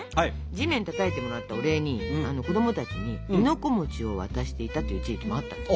地面たたいてもらったお礼に子どもたちに亥の子を渡していたという地域もあったみたい。